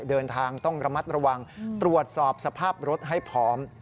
เดินทางต้องระมัดระวังตรวจสอบสภาพรถให้พร้อม